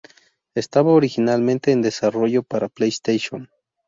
Estaba originalmente en desarrollo para PlayStation.